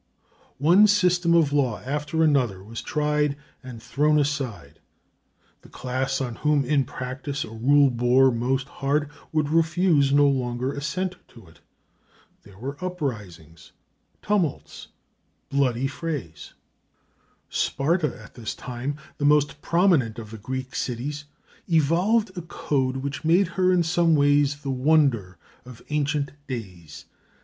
One system of law after another was tried and thrown aside. The class on whom in practice a rule bore most hard, would refuse longer assent to it. There were uprisings, tumults, bloody frays. Sparta, at this time the most prominent of the Greek cities, evolved a code which made her in some ways the wonder of ancient days.